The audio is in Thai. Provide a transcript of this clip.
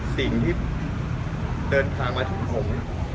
สิ่งที่เดินทางมาถึงผม